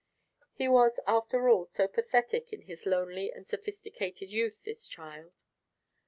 He was after all so pathetic in his lonely and sophisticated youth, this child.